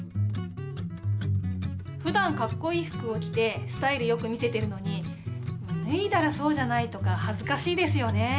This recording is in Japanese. ふだんかっこいい服をきてスタイル良く見せてるのにぬいだらそうじゃないとかはずかしいですよねえ。